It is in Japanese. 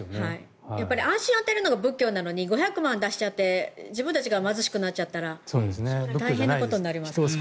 安心を与えるのが仏教なのに５００万円を出しちゃって自分たちが貧しくなっちゃったら大変なことになります。